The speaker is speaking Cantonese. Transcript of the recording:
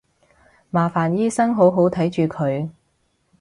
麻煩醫生好好睇住佢